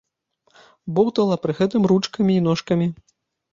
Боўтала пры гэтым ручкамі і ножкамі.